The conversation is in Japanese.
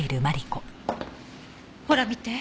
ほら見て。